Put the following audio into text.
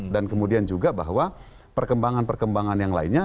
dan kemudian juga bahwa perkembangan perkembangan yang lainnya